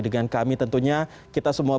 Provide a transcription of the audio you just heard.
dengan kami tentunya kita semua